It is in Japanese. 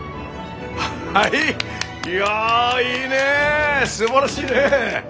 はいいやいいねすばらしいね！